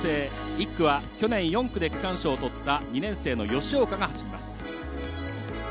１区は去年４区で区間賞をとった２年生、吉岡が走ります。